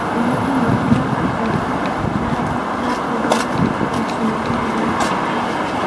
ئۇنىڭدىن ماشىنا ئەپ بەرسە، شەھەردە كىرا قىلغىنىم ياخشىمىكىن دېگەن.